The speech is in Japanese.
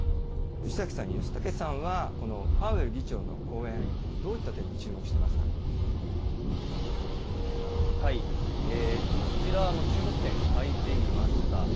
吉武さんは、このパウエル議長の講演、どういった点に注目していこちら、注目点、書いてみました。